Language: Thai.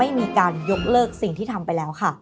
ไม่มีการยกเลิกสิ่งที่ทำไปแล้วค่ะ